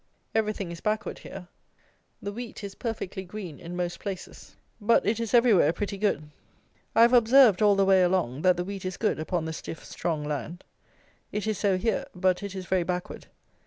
Everything is backward here. The wheat is perfectly green in most places; but it is everywhere pretty good. I have observed, all the way along, that the wheat is good upon the stiff, strong land. It is so here; but it is very backward.